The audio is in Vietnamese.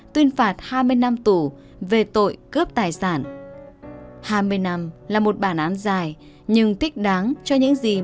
thì cũng rất hối hận